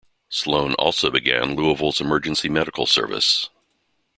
Sloane also began Louisville's Emergency Medical Service.